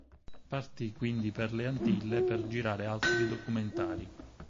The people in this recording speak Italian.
Partì quindi per le Antille per girare altri documentari.